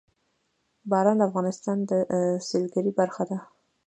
باران د افغانستان د سیلګرۍ برخه ده.